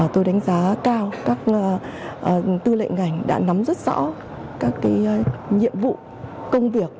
tôi đánh giá cao các tư lệnh ngành đã nắm rất rõ các nhiệm vụ công việc